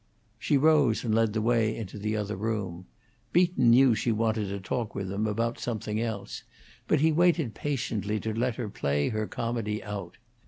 She rose and led the way into the other room. Beaton knew she wanted to talk with him about something else; but he waited patiently to let her play her comedy out.